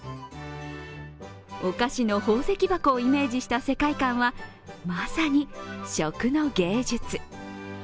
お菓子の宝石箱をイメージした世界観はまさに食の芸術。